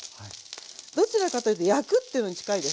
どちらかというと焼くというのに近いです